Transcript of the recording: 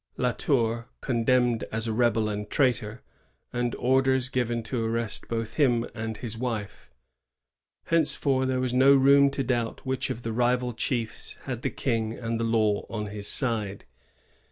La Tour condemned as a rebel and traitor, and orders given to arrest both him and his wife. Henceforth there was no room to doubt which of the rival chiefs had the King and the law on his side.